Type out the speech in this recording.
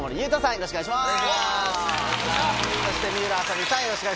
よろしくお願いします。